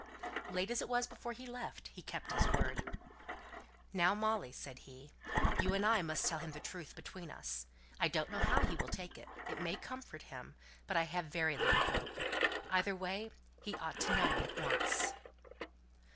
Late as it was before he left, he kept his word. "Now, Molly," he said, "you and I must tell him the truth between us. I don't know how he will take it; it may comfort him, but I've very little hope: either way, he ought to know it at once."